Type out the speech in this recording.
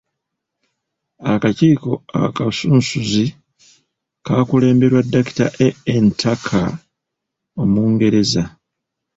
Akakiiko akasunsuzi kaakulemberwa Dr. A.N.Tucker Omungereza.